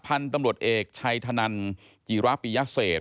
พันธุ์ตำรวจเอกชัยธนันจิระปิยเศษ